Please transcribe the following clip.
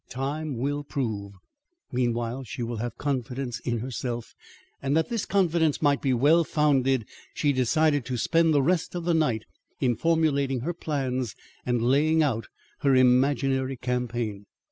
Time will prove. Meanwhile she will have confidence in herself, and that this confidence might be well founded she decided to spend the rest of the night in formulating her plans and laying out her imaginary campaign.